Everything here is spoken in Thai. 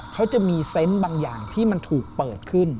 เขาจะมีเซนต์บางอย่างที่มันถูกเปิดขึ้น